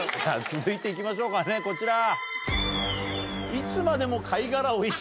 続いて行きましょうかねこちら。